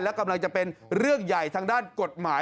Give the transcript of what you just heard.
และกำลังจะเป็นเรื่องใหญ่ทางด้านกฎหมาย